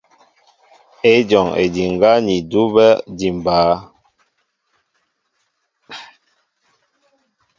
Ejɔŋ ediŋgá ni edúbɛ́ éjḭmbɛ́ɛ́.